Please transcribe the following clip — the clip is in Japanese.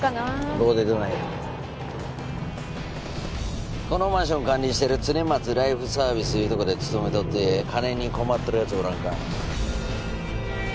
５でどないやこのマンションを管理してる常松ライフサービスいうとこで勤めとって金に困っとるやつおらんか？